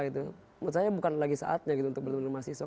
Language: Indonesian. menurut saya bukan lagi saatnya gitu untuk bertemu dengan mahasiswa